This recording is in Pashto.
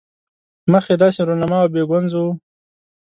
مخ یې داسې رونما او بې ګونځو وو.